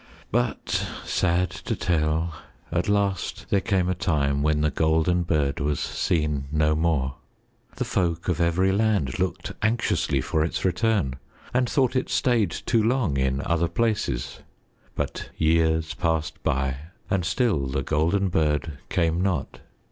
But sad to tell, at last there came a time when The Golden Bird was seen no more. The folk of every land looked anxiously for its return and thought it stayed too long in other places. But years passed by and still The Golden Bird came not.